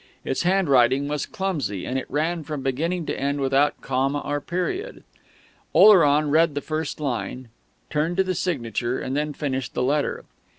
Its handwriting was clumsy, and it ran from beginning to end without comma or period. Oleron read the first line, turned to the signature, and then finished the letter.